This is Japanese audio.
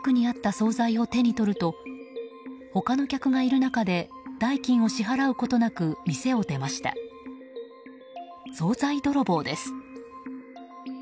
総菜泥棒です。